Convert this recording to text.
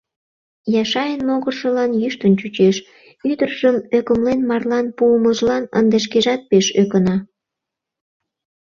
Яшайын могыржылан йӱштын чучеш, ӱдыржым ӧкымлен марлан пуымыжлан ынде шкежат пеш ӧкына.